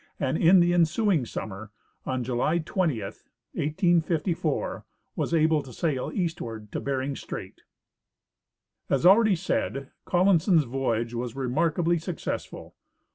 and in the ensuing summer, on July 20, 1854, was able to sail eastward to Bering strait. As already said, Collinson's voyage was remarkably success ful.